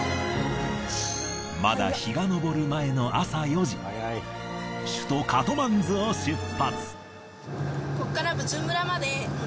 まだ日が昇る前の朝４時首都カトマンズを出発。